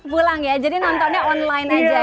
pulang ya jadi nontonnya online aja ya